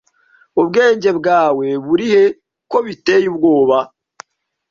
Ubwenge bwawe burihe ko biteye ubwoba?